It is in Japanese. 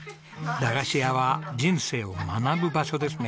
駄菓子屋は人生を学ぶ場所ですね。